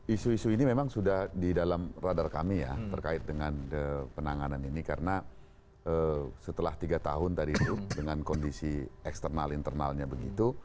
isu isu ini memang sudah di dalam radar kami ya terkait dengan penanganan ini karena setelah tiga tahun tadi itu dengan kondisi eksternal internalnya begitu